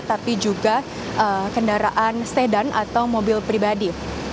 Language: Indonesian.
tapi juga kendaraan sedan atau mobil pribadi